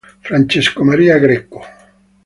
Francesco Maria Greco